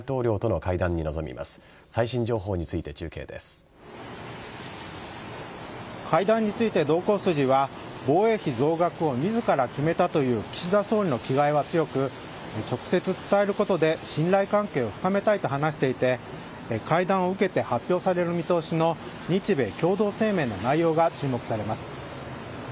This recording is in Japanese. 会談について同行筋は防衛費増額を自ら決めたという岸田総理の気概は強く直接伝えることで信頼関係を深めたいと話していて会談を受けて発表される見通しの日米共同声明の内容が注目されます。